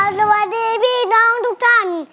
สวัสดีพี่น้องทุกท่าน